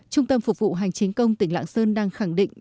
trung tâm phục vụ hành chính công tỉnh lạng sơn đang khẳng định